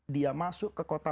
dia masuk ke kota